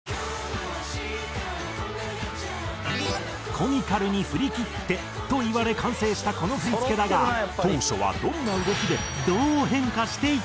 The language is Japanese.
「コミカルに振り切って」と言われ完成したこの振付だが当初はどんな動きでどう変化していったのか？